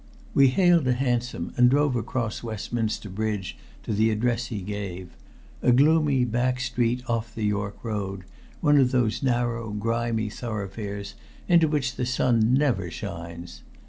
We hailed a hansom and drove across Westminster Bridge to the address he gave a gloomy back street off the York Road, one of those narrow, grimy thoroughfares into which the sun never shines.